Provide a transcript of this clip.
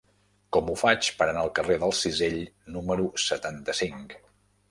Com ho faig per anar al carrer del Cisell número setanta-cinc?